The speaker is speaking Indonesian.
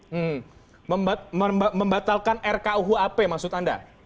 hmm membatalkan rkuhp maksud anda